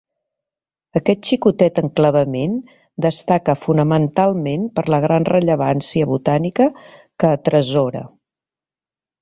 Aquest xicotet enclavament destaca fonamentalment per la gran rellevància botànica que atresora.